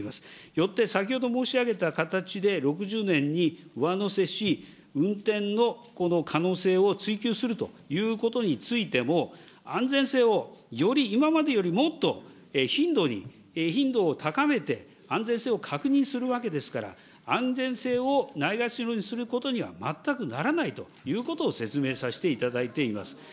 よって先ほど申し上げた形で６０年に上乗せし、運転の可能性を追求するということについても、安全性をより今までよりもっと頻度に、頻度を高めて、安全性を確認するわけですから、安全性をないがしろにすることには全くならないということを説明させていただいています。